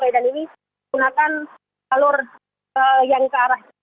dan ini gunakan jalur yang ke arah